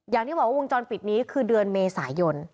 อย่างที่บอกว่าวงจรปิดนี้คือเดือนเมษายน